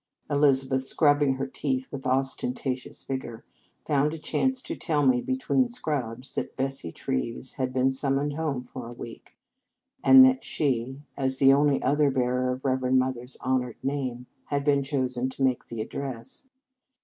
Elizabeth, scrubbing her teeth with ostentatious vigour, found a chance to tell me, be tween scrubs, that Bessie Treves had been summoned home for a week, and that she, as the only other bearer of Reverend Mother s honoured name, had been chosen to make the address.